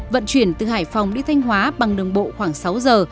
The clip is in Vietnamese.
vận chuyển từ hải phòng đi thanh hóa bằng đường bộ khoảng sáu giờ